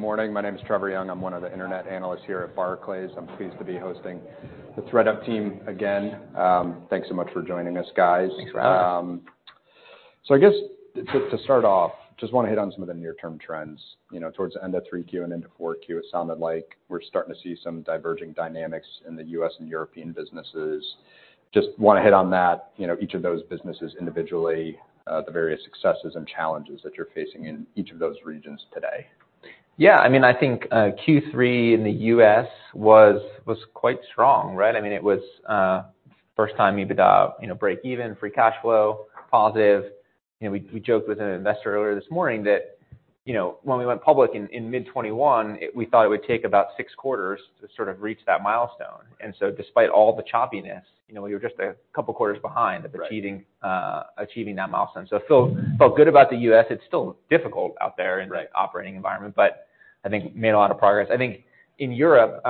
Good morning. My name is Trevor Young. I'm one of the internet analysts here at Barclays. I'm pleased to be hosting the ThredUp team again. Thanks so much for joining us, guys. Thanks for having us. I guess to start off, just wanna hit on some of the near-term trends. You know, towards the end of 3Q and into 4Q, it sounded like we're starting to see some diverging dynamics in the U.S. and European businesses. Just wanna hit on that, you know, each of those businesses individually, the various successes and challenges that you're facing in each of those regions today. Yeah, I mean, I think, Q3 in the U.S. was quite strong, right? I mean, it was first time, EBITDA, you know, breakeven, free cash flow, positive. You know, we joked with an investor earlier this morning that, you know, when we went public in mid-2021, we thought it would take about six quarters to sort of reach that milestone. And so despite all the choppiness, you know, we were just a couple quarters behind- Right... achieving that milestone. So I felt good about the U.S. It's still difficult out there- Right in the operating environment, but I think we made a lot of progress. I think in Europe,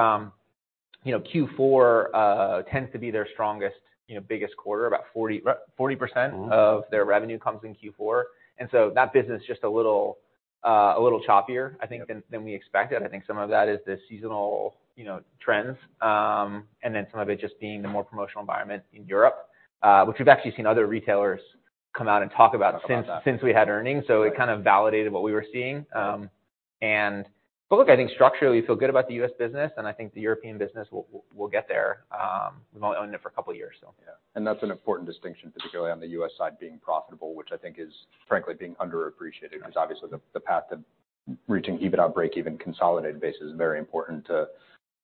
you know, Q4 tends to be their strongest, you know, biggest quarter. About 40-40%. Mm-hmm - of their revenue comes in Q4, and so that business is just a little, a little choppier, I think, than we expected. I think some of that is the seasonal, you know, trends, and then some of it just being the more promotional environment in Europe, which we've actually seen other retailers come out and talk about- Talk about that. since we had earnings. Right. So it kind of validated what we were seeing. But look, I think structurally, we feel good about the U.S. business, and I think the European business will get there. We've only owned it for a couple of years, so. Yeah. And that's an important distinction, particularly on the U.S. side, being profitable, which I think is frankly being underappreciated. Right. Because obviously, the path to reaching EBITDA breakeven consolidated base is very important to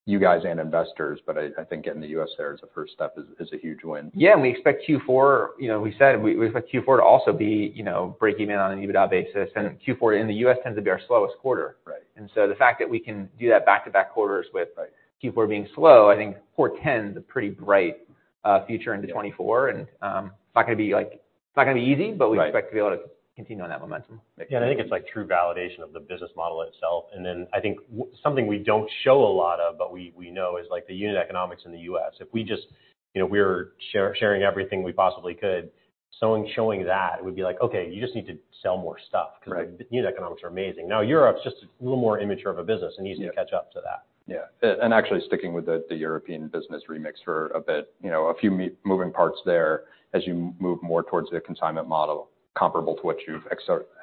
you guys and investors. But I think getting the U.S. there as a first step is a huge win. Yeah, and we expect Q4. You know, we said we expect Q4 to also be, you know, breaking in on an EBITDA basis. Yeah. Q4 in the U.S. tends to be our slowest quarter. Right. And so the fact that we can do that back-to-back quarters with- Right Q4 being slow, I think portends a pretty bright future into 2024. Yeah. It's not gonna be, like, it's not gonna be easy- Right but we expect to be able to continue on that momentum. Yeah, and I think it's, like, true validation of the business model itself. And then, I think something we don't show a lot of, but we, we know, is, like, the unit economics in the U.S. If we just, you know, we were sharing everything we possibly could, showing that, it would be like: Okay, you just need to sell more stuff- Right - because the unit economics are amazing. Now, Europe's just a little more immature of a business- Yeah and needs to catch up to that. Yeah. And actually sticking with the European business remix for a bit, you know, a few moving parts there as you move more towards the consignment model, comparable to what you've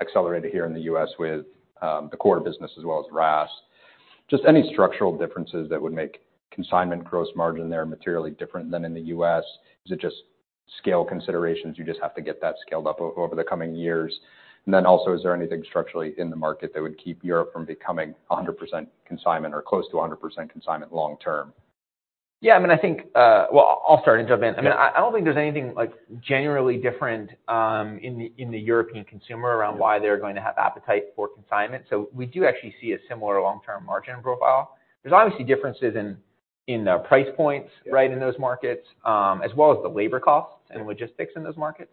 accelerated here in the U.S. with the core business as well as RaaS. Just any structural differences that would make consignment gross margin there materially different than in the U.S.? Is it just scale considerations, you just have to get that scaled up over the coming years? And then also, is there anything structurally in the market that would keep Europe from becoming 100% consignment or close to 100% consignment long term? Yeah, I mean, I think... Well, I'll start and jump in. Yeah. I mean, I don't think there's anything, like, genuinely different, in the European consumer- Yeah around why they're going to have appetite for consignment. So we do actually see a similar long-term margin profile. There's obviously differences in the price points. Yeah Right, in those markets, as well as the labor costs- Yeah - and logistics in those markets.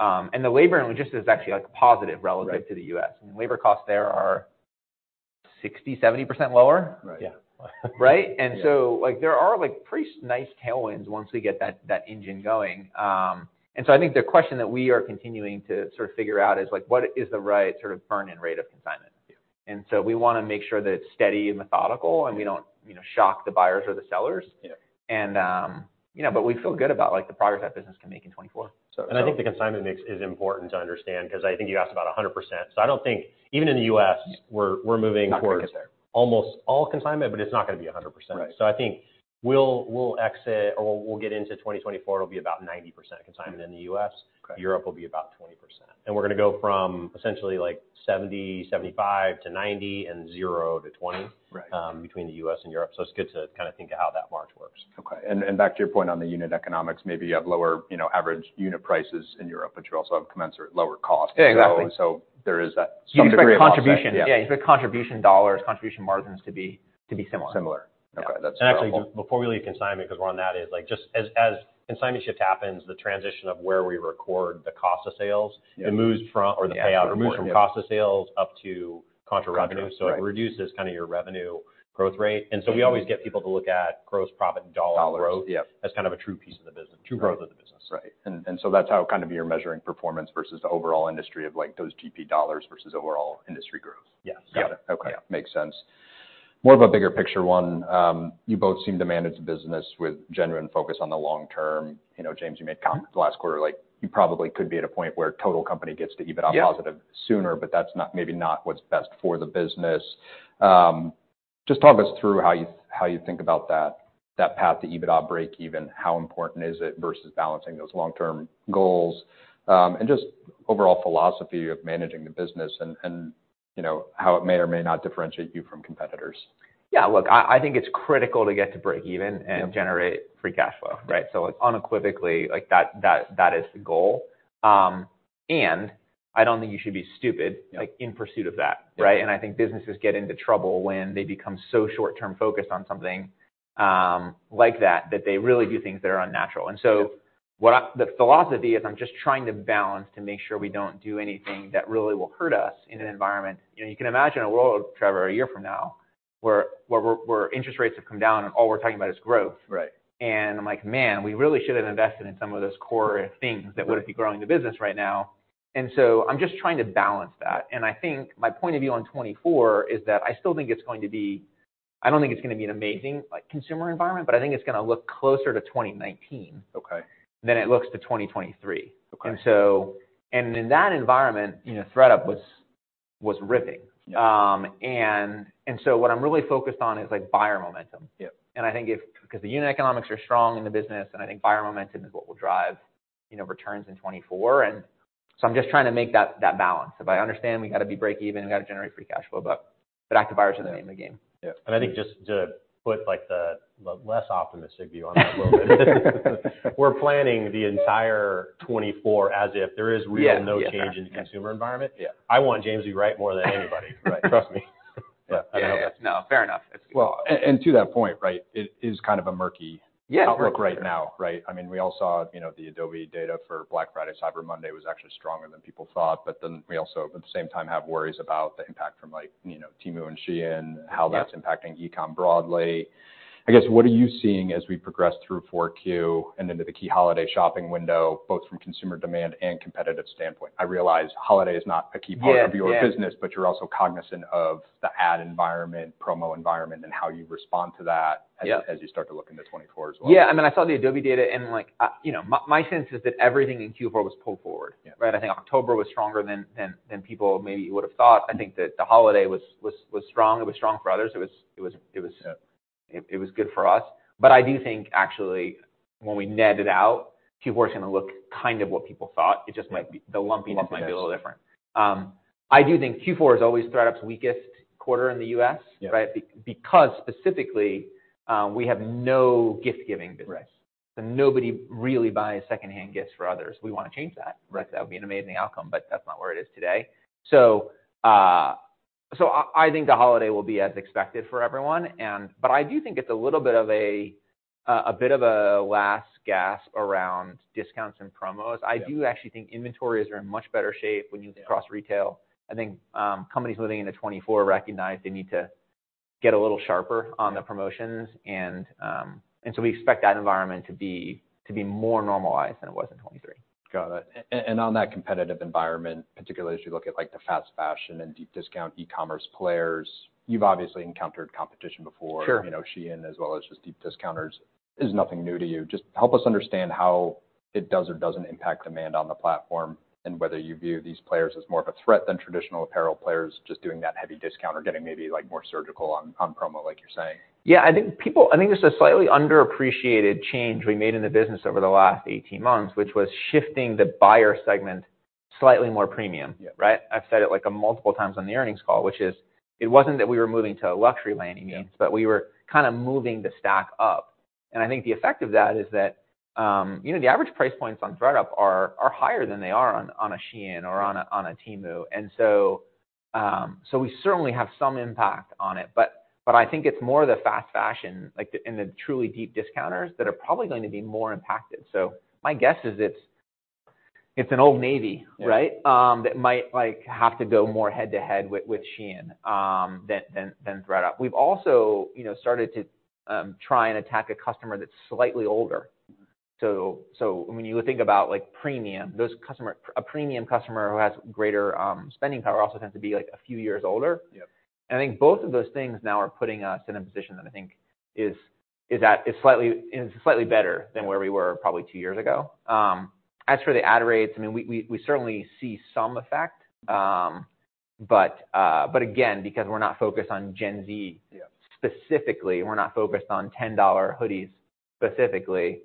The labor and logistics is actually, like, positive relative- Right to the U.S. And labor costs there are 60%-70% lower. Right. Yeah. Right? Yeah. And so, like, there are, like, pretty nice tailwinds once we get that engine going. And so I think the question that we are continuing to sort of figure out is, like, what is the right sort of burn-in rate of consignment? Yeah. And so we wanna make sure that it's steady and methodical, and we don't, you know, shock the buyers or the sellers. Yeah. You know, but we feel good about, like, the progress that business can make in 2024. So- I think the consignment mix is important to understand, 'cause I think you asked about 100%. I don't think, even in the U.S., we're moving towards- Not gonna get there. ... almost all consignment, but it's not gonna be 100%. Right. I think we'll exit, or we'll get into 2024, it'll be about 90% consignment in the U.S. Correct. Europe will be about 20%. We're gonna go from essentially, like, 70-75% to 90%, and 0% to 20- Right Between the U.S. and Europe. So it's good to kind of think of how that margin works. Okay. And back to your point on the unit economics, maybe you have lower, you know, average unit prices in Europe, but you also have commensurate lower costs. Yeah, exactly. So there is some degree of- You expect contribution. Yeah, you expect contribution dollars, contribution margins to be, to be similar. Similar. Okay, that's helpful. Actually, just before we leave consignment, 'cause we're on that, is like just as consignment shift happens, the transition of where we record the cost of sales- Yeah it moves from, or the payout moves from cost of sales up to contra revenue. Contra, right. It reduces kind of your revenue growth rate. Mm-hmm. We always get people to look at gross profit dollar growth- Dollars, yeah as kind of a true piece of the business, true growth of the business. Right. And so that's how kind of you're measuring performance versus the overall industry of, like, those GP dollars versus overall industry growth? Yes. Yeah. Okay. Yeah. Makes sense. More of a bigger picture one, you both seem to manage the business with genuine focus on the long term. You know, James, you made comments last quarter, like, you probably could be at a point where total company gets to EBITDA positive- Yeah sooner, but that's maybe not what's best for the business. Just talk us through how you think about that path to EBITDA breakeven. How important is it versus balancing those long-term goals? And just overall philosophy of managing the business and, you know, how it may or may not differentiate you from competitors. Yeah, look, I think it's critical to get to breakeven- Yeah - and generate free cash flow, right? So unequivocally, like, that, that, that is the goal. And I don't think you should be stupid- Yeah like, in pursuit of that, right? Yeah. I think businesses get into trouble when they become so short-term focused on something like that that they really do things that are unnatural. Yeah. The philosophy is, I'm just trying to balance to make sure we don't do anything that really will hurt us in an environment. You know, you can imagine a world, Trevor, a year from now where interest rates have come down, and all we're talking about is growth. Right. I'm like: Man, we really should have invested in some of those core things- Right that would be growing the business right now. And so I'm just trying to balance that. And I think my point of view on 2024 is that I still think it's going to be... I don't think it's gonna be an amazing, like, consumer environment, but I think it's gonna look closer to 2019- Okay ... than it looks to 2023. Okay. In that environment, you know, ThredUp was ripping. Yeah. And so what I'm really focused on is, like, buyer momentum. Yeah. And I think if, 'cause the unit economics are strong in the business, and I think buyer momentum is what will drive, you know, returns in 2024. And so I'm just trying to make that balance. But I understand we've got to be breakeven, we've got to generate free cash flow, but active buyers are the name of the game. Yeah. I think just to put, like, the less optimistic view on that a little bit. We're planning the entire 2024 as if there is really no change- Yeah. in the consumer environment. Yeah. I want James to be right more than anybody. But trust me. Yeah, I know. Yeah, yeah. No, fair enough. It's- Well, and to that point, right, it is kind of a murky- Yeah outlook right now, right? I mean, we all saw, you know, the Adobe data for Black Friday, Cyber Monday, was actually stronger than people thought. But then we also, at the same time, have worries about the impact from like, you know, Temu and SHEIN- Yeah - and how that's impacting e-com broadly. I guess, what are you seeing as we progress through Q4 and into the key holiday shopping window, both from consumer demand and competitive standpoint? I realize holiday is not a key part- Yeah, yeah of your business, but you're also cognizant of the ad environment, promo environment, and how you respond to that. Yeah as you start to look into 2024 as well. Yeah, I mean, I saw the Adobe data and, like, you know, my, my sense is that everything in Q4 was pulled forward. Yeah. Right? I think October was stronger than people maybe would have thought. I think that the holiday was strong. It was strong for others, it was- Yeah ... it was good for us. But I do think, actually, when we net it out, Q4 is gonna look kind of what people thought. Yeah. It just might be the lumpiness might be a little different. Lumpiness. I do think Q4 is always ThredUp's weakest quarter in the U.S. Yeah. Right? Because specifically, we have no gift-giving business. Right. Nobody really buys secondhand gifts for others. We wanna change that. Right. That would be an amazing outcome, but that's not where it is today. So, I think the holiday will be as expected for everyone, and... But I do think it's a little bit of a last gasp around discounts and promos. Yeah. I do actually think inventories are in much better shape when you look across retail. I think, companies moving into 2024 recognize they need to get a little sharper- Yeah on the promotions. And so we expect that environment to be more normalized than it was in 2023. Got it. And on that competitive environment, particularly as you look at, like, the fast fashion and deep discount e-commerce players, you've obviously encountered competition before. Sure. You know, SHEIN, as well as just deep discounters, is nothing new to you. Just help us understand how it does or doesn't impact demand on the platform, and whether you view these players as more of a threat than traditional apparel players, just doing that heavy discount or getting maybe, like, more surgical on, on promo, like you're saying. Yeah, I think there's a slightly underappreciated change we made in the business over the last 18 months, which was shifting the buyer segment slightly more premium. Yeah. Right? I've said it, like, multiple times on the earnings call, which is, it wasn't that we were moving to a luxury lane, I mean- Yeah... but we were kind of moving the stack up. And I think the effect of that is that, you know, the average price points on ThredUp are, are higher than they are on, on a SHEIN or on a, on a Temu. And so, so we certainly have some impact on it, but, but I think it's more the fast fashion, like, and the truly deep discounters, that are probably going to be more impacted. So my guess is it's, it's an Old Navy, right? Yeah. That might, like, have to go more head-to-head with SHEIN than ThredUp. We've also, you know, started to try and attack a customer that's slightly older. Mm-hmm. So when you would think about, like, premium, those customers, a premium customer who has greater spending power, also tends to be, like, a few years older. Yeah. I think both of those things now are putting us in a position that I think is slightly better than where we were probably two years ago. As for the ad rates, I mean, we certainly see some effect. But again, because we're not focused on Gen Z- Yeah... specifically, we're not focused on $10 hoodies specifically,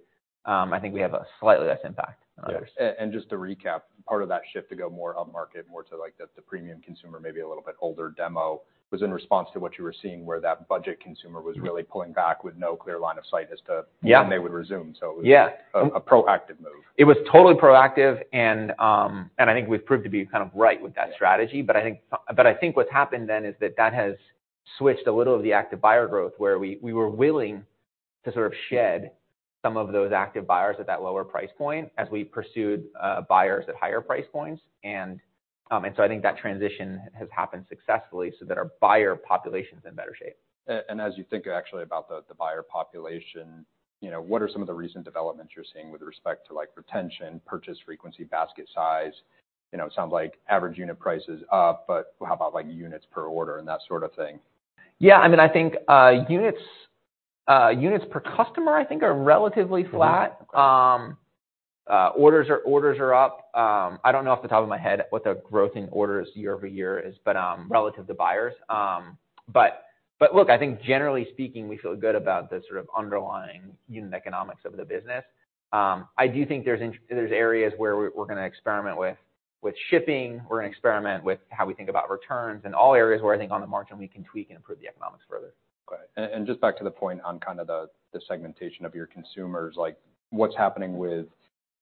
I think we have a slightly less impact on others. Yeah. And just to recap, part of that shift to go more upmarket, more to like the premium consumer, maybe a little bit older demo, was in response to what you were seeing, where that budget consumer was really pulling back with no clear line of sight as to- Yeah when they would resume. So- Yeah... a proactive move. It was totally proactive, and I think we've proved to be kind of right with that strategy. But I think what's happened then, is that that has switched a little of the active buyer growth, where we were willing to sort of shed some of those active buyers at that lower price point, as we pursued buyers at higher price points. And so I think that transition has happened successfully so that our buyer population is in better shape. And as you think, actually, about the buyer population, you know, what are some of the recent developments you're seeing with respect to, like, retention, purchase frequency, basket size? You know, it sounds like average unit price is up, but how about, like, units per order and that sort of thing? Yeah, I mean, I think, units per customer, I think are relatively flat. Mm-hmm. Orders are up. I don't know off the top of my head what the growth in orders year-over-year is, but relative to buyers. But look, I think generally speaking, we feel good about the sort of underlying Unit Economics of the business. I do think there's there are areas where we're gonna experiment with shipping, we're gonna experiment with how we think about returns, and all areas where I think on the margin we can tweak and improve the economics further. Got it. And just back to the point on kind of the segmentation of your consumers, like, what's happening with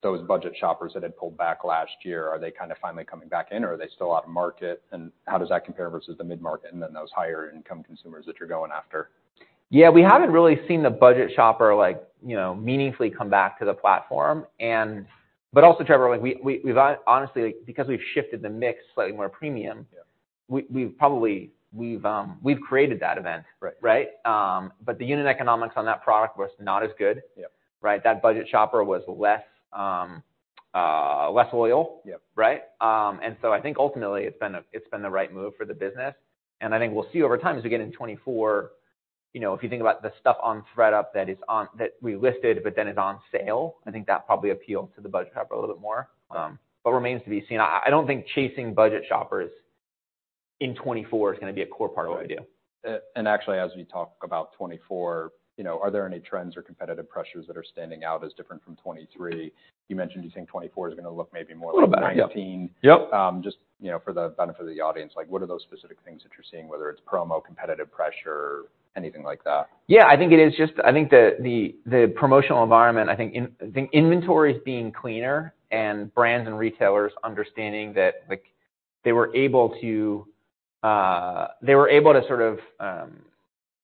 those budget shoppers that had pulled back last year? Are they kind of finally coming back in, or are they still out of market? And how does that compare versus the mid-market, and then those higher income consumers that you're going after?... Yeah, we haven't really seen the budget shopper, like, you know, meaningfully come back to the platform. But also, Trevor, like, we've honestly, because we've shifted the mix slightly more premium- Yeah. We've probably created that event. Right. Right? But the Unit Economics on that product was not as good. Yeah. Right? That budget shopper was less loyal. Yeah. Right? And so I think ultimately, it's been the right move for the business, and I think we'll see over time, as we get into 2024, you know, if you think about the stuff on ThredUp that is on that we listed, but then is on sale, I think that probably appealed to the budget shopper a little bit more. But remains to be seen. I don't think chasing budget shoppers in 2024 is gonna be a core part of what we do. Actually, as we talk about 2024, you know, are there any trends or competitive pressures that are standing out as different from 2023? You mentioned you think 2024 is gonna look maybe more like- A little better. - '19. Yep. Just, you know, for the benefit of the audience, like, what are those specific things that you're seeing, whether it's promo, competitive pressure, anything like that? Yeah, I think it is just... I think the promotional environment. I think inventories being cleaner and brands and retailers understanding that, like, they were able to, they were able to sort of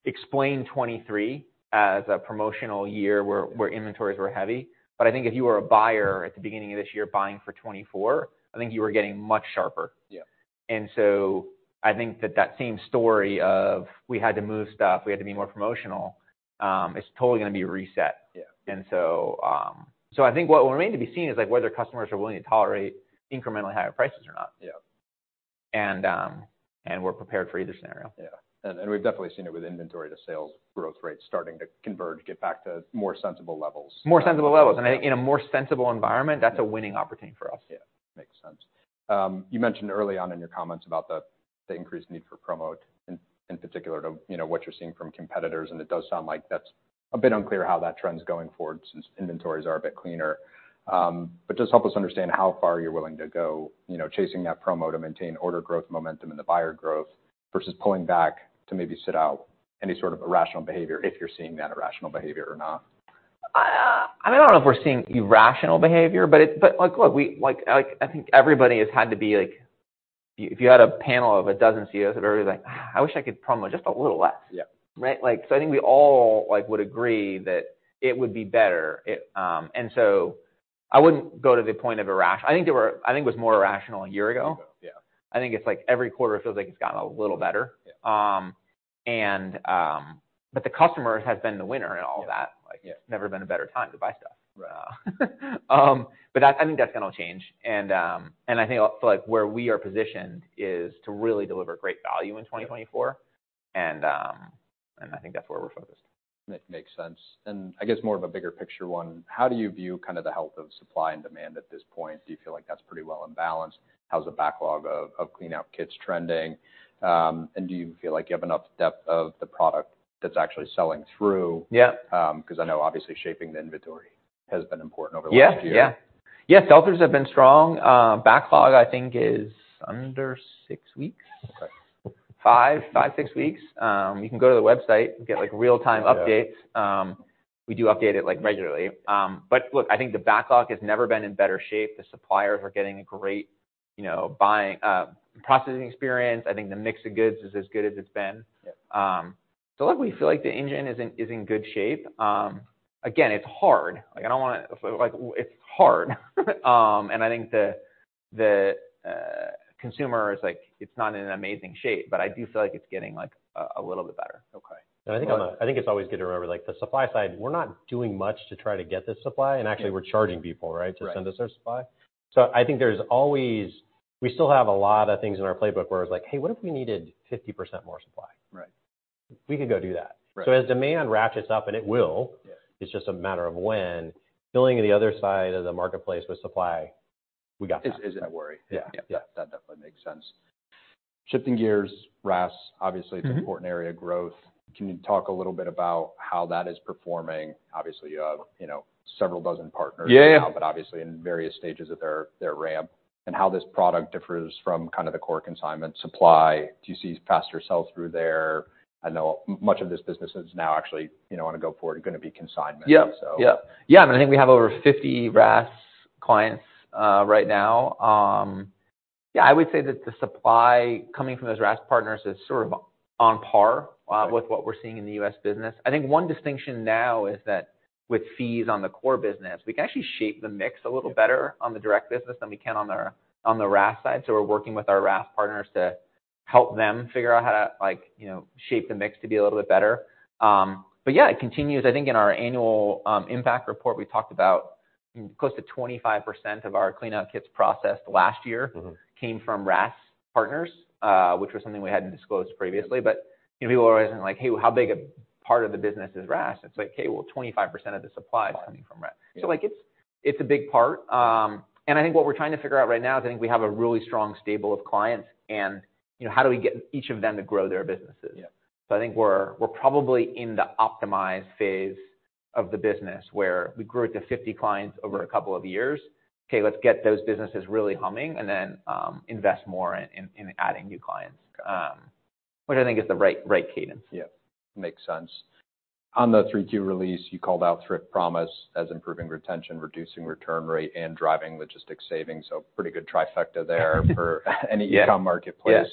explain 2023 as a promotional year, where inventories were heavy. But I think if you were a buyer at the beginning of this year, buying for 2024, I think you were getting much sharper. Yeah. So I think that that same story of we had to move stuff, we had to be more promotional, is totally gonna be reset. Yeah. And so, I think what will remain to be seen is, like, whether customers are willing to tolerate incrementally higher prices or not. Yeah. And we're prepared for either scenario. Yeah. And we've definitely seen it with inventory to sales growth rates starting to converge, get back to more sensible levels. More sensible levels, and in a more sensible environment, that's a winning opportunity for us. Yeah, makes sense. You mentioned early on in your comments about the increased need for promo, in particular to, you know, what you're seeing from competitors, and it does sound like that's a bit unclear how that trend's going forward, since inventories are a bit cleaner. But just help us understand how far you're willing to go, you know, chasing that promo to maintain order growth, momentum, and the buyer growth, versus pulling back to maybe sit out any sort of irrational behavior, if you're seeing that irrational behavior or not. I don't know if we're seeing irrational behavior, but, like, look, we like, like... I think everybody has had to be like, if you had a panel of a dozen CEOs, everybody's like, "Ah, I wish I could promo just a little less. Yeah. Right? Like, so I think we all, like, would agree that it would be better it. And so I wouldn't go to the point of irrational. I think it was more irrational a year ago. Yeah. I think it's like every quarter feels like it's gotten a little better. Yeah. But the customer has been the winner in all that. Yeah. Like, never been a better time to buy stuff. Right. But that, I think that's gonna change. And I think, like, where we are positioned is to really deliver great value in 2024. Yeah. And I think that's where we're focused. Makes sense. And I guess more of a bigger picture one: How do you view kind of the health of supply and demand at this point? Do you feel like that's pretty well in balance? How's the backlog of Clean Out Kits trending? And do you feel like you have enough depth of the product that's actually selling through? Yeah. 'Cause I know obviously shaping the inventory has been important over the last year. Yeah, yeah. Yes, filters have been strong. Backlog, I think, is under six weeks. Okay. 5, 5, 6 weeks. You can go to the website and get, like, real-time updates. Yeah. We do update it, like, regularly. But look, I think the backlog has never been in better shape. The suppliers are getting a great, you know, buying, processing experience. I think the mix of goods is as good as it's been. Yeah. So look, we feel like the engine is in good shape. Again, it's hard. Like, I don't wanna—like, it's hard. And I think the consumer is like it's not in amazing shape, but I do feel like it's getting like a little bit better. Okay. I think I think it's always good to remember, like, the supply side, we're not doing much to try to get this supply, and actually we're charging people, right? Right. To send us their supply. So I think there's always, we still have a lot of things in our playbook where it's like, "Hey, what if we needed 50% more supply? Right. We could go do that. Right. As demand ratchets up, and it will- Yeah... It's just a matter of when, filling the other side of the marketplace with supply, we got that. Isn't a worry. Yeah. Yeah. That definitely makes sense. Shifting gears. RaaS, obviously, it's an important area of growth. Can you talk a little bit about how that is performing? Obviously, you have, you know, several dozen partners- Yeah... but obviously, in various stages of their ramp, and how this product differs from kind of the core consignment supply. Do you see faster sell-through there? I know much of this business is now actually, you know, on a go forward, gonna be consignment. Yep. So. Yep. Yeah, and I think we have over 50 RaaS clients, right now. Yeah, I would say that the supply coming from those RaaS partners is sort of on par- Right... with what we're seeing in the U.S. business. I think one distinction now is that, with fees on the core business, we can actually shape the mix a little better- Yeah... on the direct business than we can on the RaaS side. So we're working with our RaaS partners to help them figure out how to, like, you know, shape the mix to be a little bit better. But yeah, it continues. I think in our annual impact report, we talked about close to 25% of our clean-out kits processed last year- Mm-hmm... came from RaaS partners, which was something we hadn't disclosed previously. Yeah. But, you know, people are always like: "Hey, how big a part of the business is RaaS?" It's like, okay, well, 25% of the supply is coming from RaaS. Yeah. So, like, it's a big part. I think what we're trying to figure out right now is, I think we have a really strong stable of clients, and, you know, how do we get each of them to grow their businesses? Yeah. So I think we're probably in the optimize phase of the business, where we grew it to 50 clients over a couple of years. Right. Okay, let's get those businesses really humming, and then invest more in adding new clients, which I think is the right, right cadence. Yeah. Makes sense. On the 3Q release, you called out Thrift Promise as improving retention, reducing return rate, and driving logistics savings. So pretty good trifecta there—for any e-com marketplace.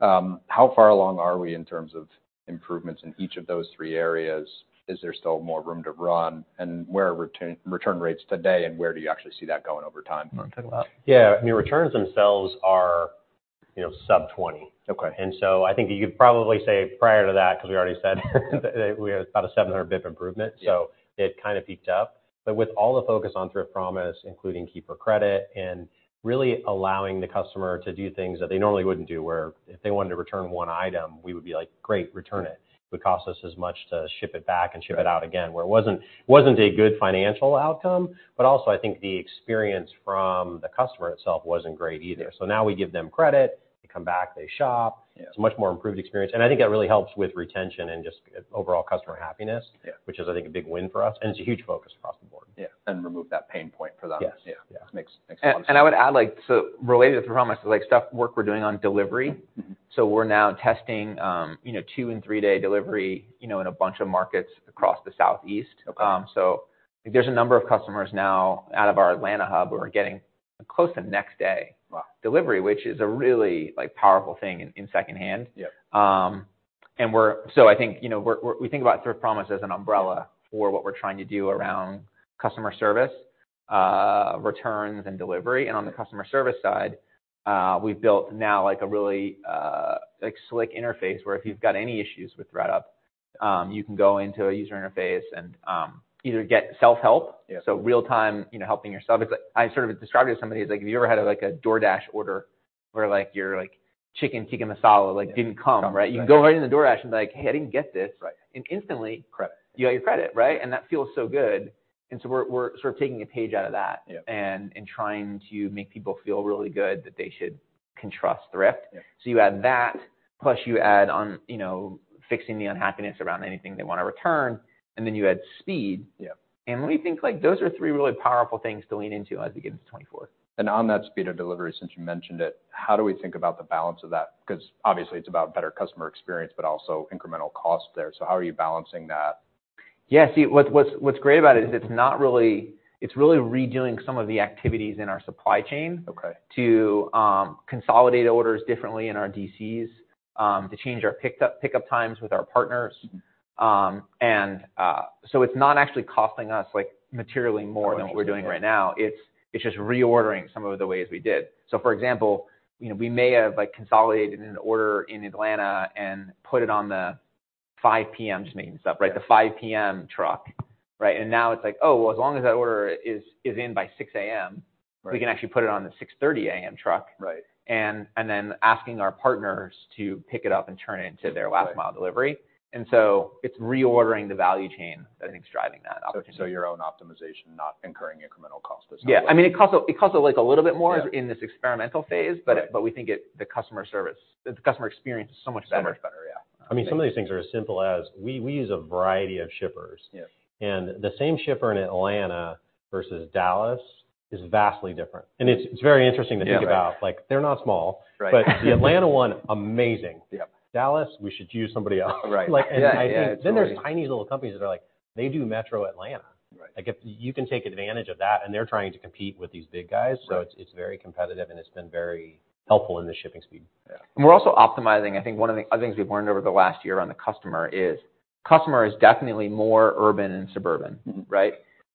Yeah. How far along are we in terms of improvements in each of those three areas? Is there still more room to run? And where are return rates today, and where do you actually see that going over time? Yeah, I mean, returns themselves are, you know, sub 20. Okay. And so I think you could probably say prior to that, 'cause we already said, that we had about a 700 BP improvement. Yeah. So it kind of peaked up. But with all the focus on Thrift Promise, including Keeper Credit, and really allowing the customer to do things that they normally wouldn't do, where if they wanted to return one item, we would be like: "Great, return it." It would cost us as much to ship it back and ship it out again. Where it wasn't a good financial outcome, but also, I think the experience from the customer itself wasn't great either. Yeah. So now we give them credit, they come back, they shop. Yeah. It's a much more improved experience, and I think that really helps with retention and just overall customer happiness. Yeah. Which is, I think, a big win for us, and it's a huge focus across the board. Yeah, and remove that pain point for them. Yes. Yeah. Yeah, makes sense. I would add, like, so related to promise, like, stuff work we're doing on delivery. Mm-hmm. We're now testing, you know, 2- and 3-day delivery, you know, in a bunch of markets across the Southeast. Okay. There's a number of customers now out of our Atlanta hub, where we're getting close to next day- Wow... delivery, which is a really, like, powerful thing in secondhand. Yeah. So I think, you know, we think about Thrift Promise as an umbrella for what we're trying to do around customer service, returns, and delivery. And on the customer service side, we've built now, like, a really, like, slick interface, where if you've got any issues with ThredUp, you can go into a user interface and either get self-help. Yeah. So real time, you know, helping yourself. It's like, I sort of described it to somebody as, like, have you ever had, like, a DoorDash order, where, like, your, like, chicken tikka masala, like, didn't come, right? Yeah. You can go right in the DoorDash and be like: "Hey, I didn't get this. Right. And instantly- Credit... you got your credit, right? That feels so good. So we're sort of taking a page out of that- Yeah... and trying to make people feel really good that they should can trust Thrift. Yeah. You add that, plus you add on, you know, fixing the unhappiness around anything they wanna return, and then you add speed. Yeah. We think, like, those are three really powerful things to lean into as we get into 2024. On that speed of delivery, since you mentioned it, how do we think about the balance of that? Because, obviously, it's about better customer experience, but also incremental cost there. So how are you balancing that? Yeah. See, what's great about it is it's really redoing some of the activities in our supply chain- Okay... to consolidate orders differently in our DCs, to change our pickup times with our partners. And so it's not actually costing us, like, materially more than what we're doing right now. Okay. It's just reordering some of the ways we did. So for example, you know, we may have, like, consolidated an order in Atlanta and put it on the 5:00 P.M., just making this up, right? Yeah. The 5 P.M. truck, right? And now it's like, oh, well, as long as that order is in by 6 A.M.- Right... we can actually put it on the 6:30 A.M. truck. Right. And then asking our partners to pick it up and turn it into their last mile delivery. Right. And so it's reordering the value chain, I think, is driving that opportunity. So your own optimization, not incurring incremental cost necessarily? Yeah. I mean, it costs like a little bit more- Yeah... in this experimental phase, but- Right... but we think it, the customer service, the customer experience is so much better. So much better, yeah. I mean, some of these things are as simple as we use a variety of shippers. Yeah. The same shipper in Atlanta versus Dallas is vastly different. It's, it's very interesting to think about. Yeah, right. Like, they're not small. Right. But the Atlanta one, amazing! Yeah. Dallas, we should use somebody else. Right. Yeah, yeah, it's very- Like, I think then there's tiny little companies that are like, they do metro Atlanta. Right. Like, if you can take advantage of that, and they're trying to compete with these big guys- Right... so it's very competitive, and it's been very helpful in the shipping speed. Yeah. We're also optimizing... I think one of the things we've learned over the last year on the customer is, customer is definitely more urban and suburban, right?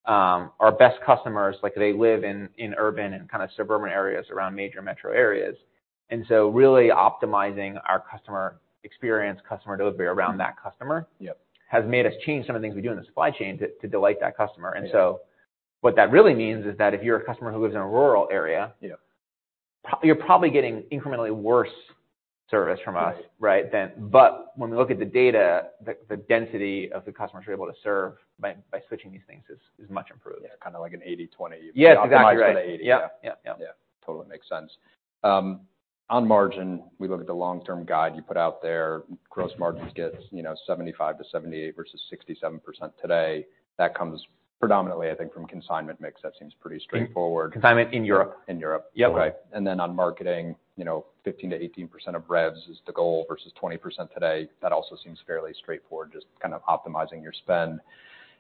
Mm-hmm. Our best customers, like, they live in urban and kind of suburban areas around major metro areas. So really optimizing our customer experience, customer delivery around that customer- Yep... has made us change some of the things we do in the supply chain to delight that customer. Yeah. And so what that really means is that, if you're a customer who lives in a rural area- Yeah... you're probably getting incrementally worse service from us- Right... right. But when we look at the data, the density of the customers we're able to serve by switching these things is much improved. Yeah, kind of like an 80/20- Yes, exactly right. Optimized for the 80. Yeah. Yeah, yeah. Yeah, totally makes sense. On margin, we look at the long-term guide you put out there. Gross margins get, you know, 75%-78% versus 67% today. That comes predominantly, I think, from consignment mix. That seems pretty straightforward. Consignment in Europe. In Europe. Yep. Okay. And then on marketing, you know, 15%-18% of revs is the goal, versus 20% today. That also seems fairly straightforward, just kind of optimizing your spend.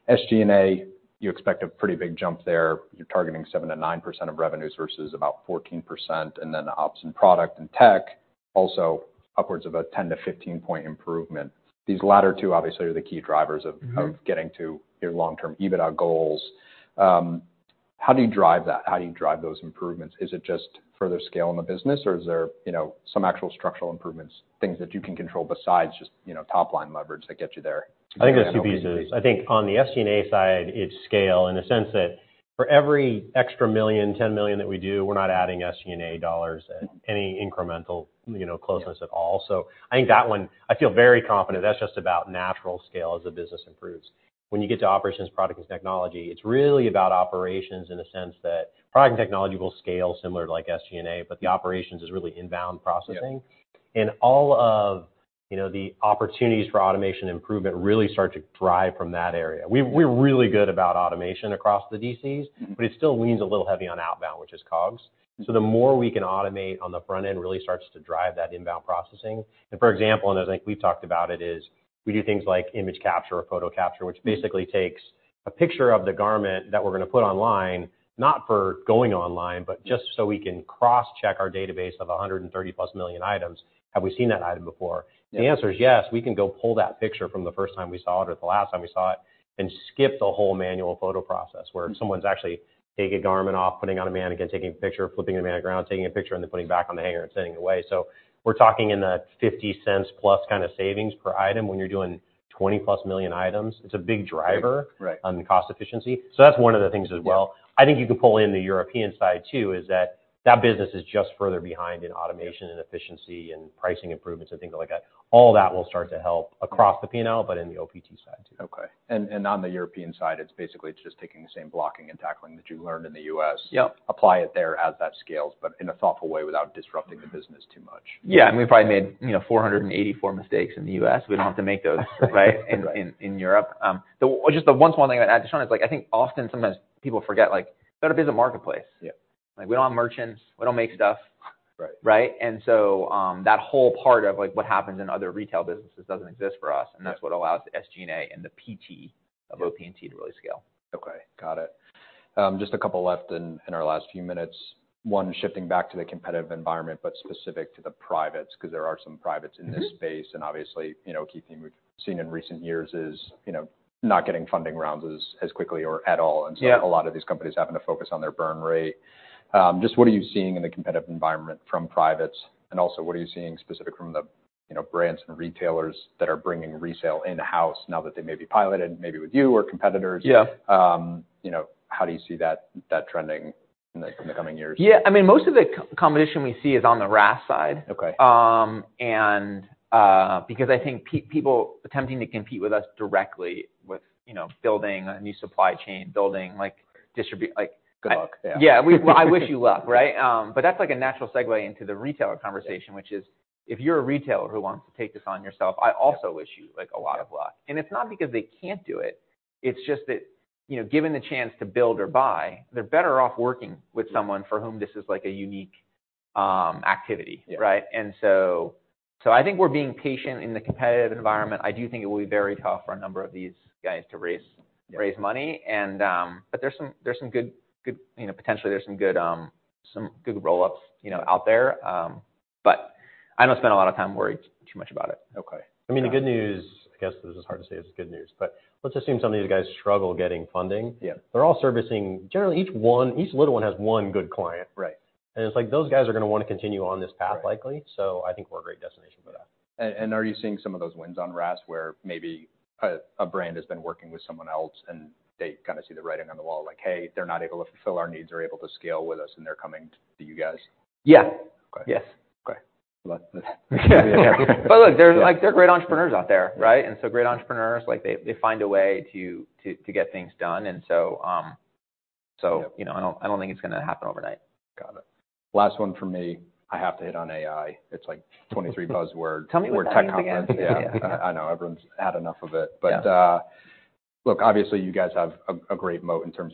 SG&A, you expect a pretty big jump there. You're targeting 7%-9% of revenues, versus about 14%, and then the ops, and product, and tech, also upwards of a 10-15 point improvement. These latter two, obviously, are the key drivers of- Mm-hmm... of getting to your long-term EBITDA goals. How do you drive that? How do you drive those improvements? Is it just further scale in the business, or is there, you know, some actual structural improvements, things that you can control besides just, you know, top line leverage that get you there? I think there's 2 pieces. I think on the SG&A side, it's scale in the sense that for every extra $1 million, $10 million that we do, we're not adding SG&A dollars at any incremental, you know, closeness at all. Yeah. So I think that one, I feel very confident, that's just about natural scale as the business improves. When you get to operations, product, and technology, it's really about operations in the sense that product and technology will scale similar to, like, SG&A, but the operations is really inbound processing. Yeah. And all of-... you know, the opportunities for automation improvement really start to drive from that area. We're really good about automation across the DCs, but it still leans a little heavy on outbound, which is COGS. So the more we can automate on the front end, really starts to drive that inbound processing. And, for example, and I think we've talked about it, is we do things like image capture or photo capture, which basically takes a picture of the garment that we're gonna put online, not for going online, but just so we can cross-check our database of 130+ million items. Have we seen that item before? Yeah. If the answer is yes, we can go pull that picture from the first time we saw it or the last time we saw it, and skip the whole manual photo process, where someone's actually take a garment off, putting on a mannequin, taking a picture, flipping the mannequin around, taking a picture, and then putting it back on the hanger and sending it away. So we're talking in the $0.50+ kind of savings per item. When you're doing 20+ million items, it's a big driver- Right on the cost efficiency. So that's one of the things as well. Yeah. I think you could pull in the European side, too, that business is just further behind in automation and efficiency and pricing improvements and things like that. All that will start to help across the P&L, but in the OPT side, too. Okay. On the European side, it's basically just taking the same blocking and tackling that you learned in the U.S.- Yep. Apply it there as that scales, but in a thoughtful way, without disrupting the business too much. Yeah, and we probably made, you know, 484 mistakes in the U.S. We don't have to make those right, in Europe. Just one more thing I'd add, Sean, is, like, I think often sometimes people forget, like, we've got a busy marketplace. Yeah. Like, we want merchants, we don't make stuff. Right. Right? And so, that whole part of, like, what happens in other retail businesses doesn't exist for us, and that's what allows the SG&A and the P&L of OpEx to really scale. Okay, got it. Just a couple left in our last few minutes. One, shifting back to the competitive environment, but specific to the privates, 'cause there are some privates in this space. Mm-hmm. Obviously, you know, a key thing we've seen in recent years is, you know, not getting funding rounds as quickly or at all. Yeah. A lot of these companies having to focus on their burn rate. Just what are you seeing in the competitive environment from privates? And also, what are you seeing specific from the, you know, brands and retailers that are bringing resale in-house now that they may be piloted, maybe with you or competitors? Yeah. You know, how do you see that trending in the coming years? Yeah, I mean, most of the competition we see is on the RaaS side. Okay. Because I think people attempting to compete with us directly with, you know, building a new supply chain, building, like, distribute, like- Good luck. Yeah, I wish you luck, right? But that's like a natural segue into the retailer conversation- Yeah - which is, if you're a retailer who wants to take this on yourself, I also wish you, like, a lot of luck. And it's not because they can't do it, it's just that, you know, given the chance to build or buy, they're better off working with someone for whom this is, like, a unique activity. Yeah. Right? And so, I think we're being patient in the competitive environment. I do think it will be very tough for a number of these guys to raise- Yeah raise money and, but there's some good, you know, potentially there's some good roll-ups, you know, out there. But I don't spend a lot of time worried too much about it. Okay. I mean, the good news, I guess this is hard to say it's good news, but let's assume some of these guys struggle getting funding. Yeah. They're all servicing... Generally, each one, each little one has one good client. Right. It's like, those guys are gonna wanna continue on this path, likely. Right. I think we're a great destination for that. Are you seeing some of those wins on RaaS, where maybe a brand has been working with someone else, and they kind of see the writing on the wall, like, "Hey, they're not able to fulfill our needs or able to scale with us, and they're coming to you guys? Yeah. Okay. Yes. Okay. Look, there's, like, they're great entrepreneurs out there, right? Yeah. Great entrepreneurs, like, they find a way to get things done. So, Yeah... you know, I don't think it's gonna happen overnight. Got it. Last one for me. I have to hit on AI. It's like 23 buzzword- Tell me what that means again. - tech conference. Yeah, I know, everyone's had enough of it. Yeah. Look, obviously, you guys have a great moat in terms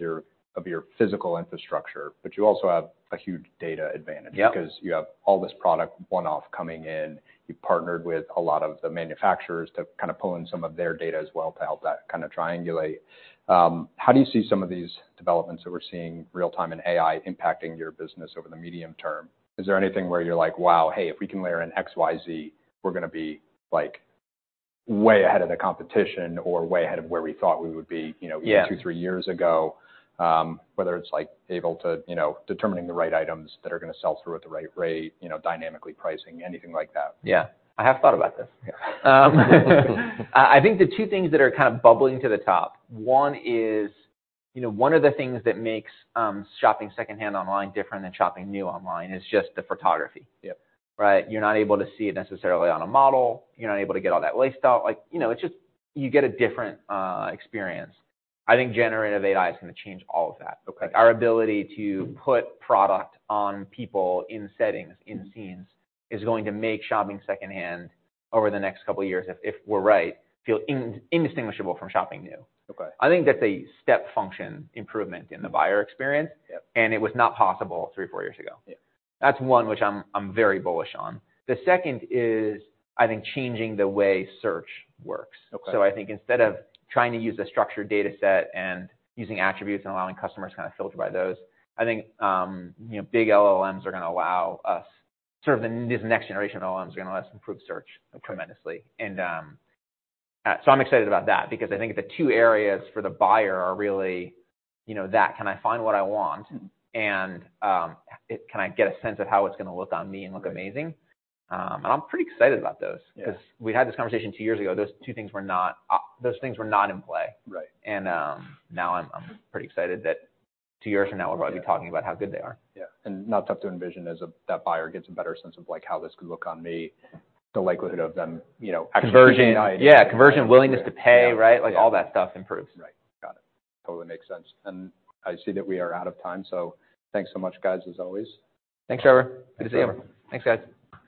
of your physical infrastructure, but you also have a huge data advantage. Yep. Because you have all this product, one-off coming in. You've partnered with a lot of the manufacturers to kind of pull in some of their data as well, to help that kind of triangulate. How do you see some of these developments that we're seeing real time in AI impacting your business over the medium term? Is there anything where you're like: Wow! Hey, if we can layer in XYZ, we're gonna be, like, way ahead of the competition or way ahead of where we thought we would be, you know- Yeah... even two, three years ago? Whether it's, like, able to, you know, determining the right items that are gonna sell through at the right rate, you know, dynamically pricing, anything like that. Yeah, I have thought about this. I think the two things that are kind of bubbling to the top, one is, you know, one of the things that makes shopping secondhand online different than shopping new online, is just the photography. Yeah. Right? You're not able to see it necessarily on a model. You're not able to get all that laced out. Like, you know, it's just... You get a different experience. I think generative AI is gonna change all of that. Okay. Our ability to put product on people in settings, in scenes, is going to make shopping secondhand over the next couple of years, if, if we're right, feel indistinguishable from shopping new. Okay. I think that's a step function improvement in the buyer experience. Yep. It was not possible three or four years ago. Yeah. That's one which I'm very bullish on. The second is, I think, changing the way search works. Okay. So I think instead of trying to use a structured data set and using attributes and allowing customers to kind of filter by those, I think, you know, big LLMs are gonna allow us, sort of, this next generation of LLMs are gonna allow us to improve search tremendously. And, so I'm excited about that because I think the two areas for the buyer are really, you know, that: Can I find what I want? Mm-hmm. Can I get a sense of how it's gonna look on me and look amazing? Right. I'm pretty excited about those. Yeah. 'Cause we had this conversation two years ago, those two things were not, those things were not in play. Right. And, now I'm pretty excited that two years from now we're going to be talking about how good they are. Yeah, and not tough to envision as that buyer gets a better sense of, like, how this could look on me, the likelihood of them, you know, actually- Conversion. Yeah, conversion, willingness to pay- Yeah Right? Like, all that stuff improves. Right. Got it. Totally makes sense. I see that we are out of time, so thanks so much, guys, as always. Thanks, Trevor. Good to see you. Thanks, Trevor. Thanks, guys.